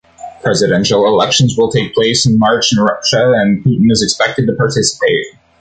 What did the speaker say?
Presidential elections will take place in March in Russia and Putin is expected to participate.